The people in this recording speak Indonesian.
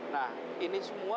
nah ini semua